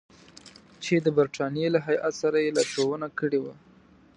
چې د برټانیې له هیات سره یې لارښوونه کړې وه.